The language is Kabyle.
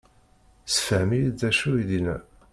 Sefhem-iyi-d d acu i d-inna.